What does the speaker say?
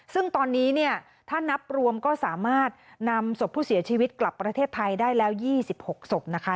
ซึ่งตอนนี้เนี่ยถ้านับรวมก็สามารถนำศพผู้เสียชีวิตกลับประเทศไทยได้แล้ว๒๖ศพนะคะ